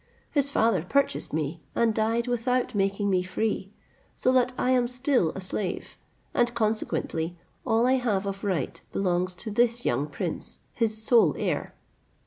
His father purchased me, and died without making me free; so that I am still a slave, and consequently all I have of right belongs to this young prince, his sole heir."